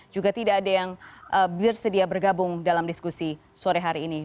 juga tidak ada yang bersedia bergabung dalam diskusi sore hari ini